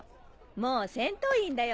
もう戦闘員だよ。